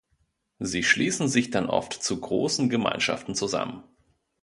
Sie schließen sich dann oft zu großen Gemeinschaften zusammen.